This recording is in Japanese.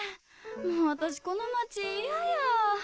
もう私この町嫌や。